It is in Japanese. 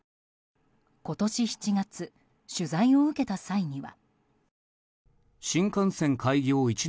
今年７月、取材を受けた際には。